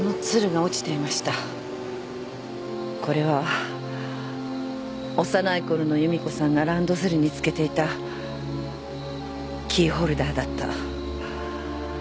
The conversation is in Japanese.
これは幼いころの夕美子さんがランドセルに付けていたキーホルダーだった。